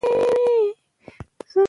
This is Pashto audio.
طلا د افغانستان د زرغونتیا نښه ده.